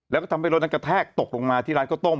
แล้วก็ทำให้รถนั้นกระแทกตกลงมาที่ร้านข้าวต้ม